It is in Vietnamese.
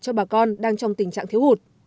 cho bà con đang trong tình trạng thiếu hụt